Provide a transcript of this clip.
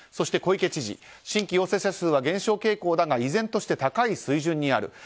小池知事は新規陽性者数は減少傾向だが依然として高い水準にある。